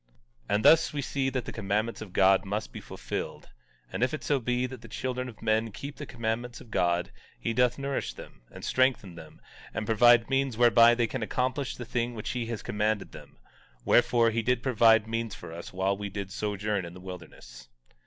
17:3 And thus we see that the commandments of God must be fulfilled. And if it so be that the children of men keep the commandments of God he doth nourish them, and strengthen them, and provide means whereby they can accomplish the thing which he has commanded them; wherefore, he did provide means for us while we did sojourn in the wilderness.